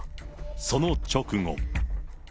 その直後。